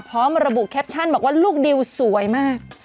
พร้อมระบุแคปชั่นบอกว่าลูกดิวสวยมาก